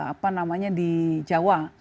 apa namanya di jawa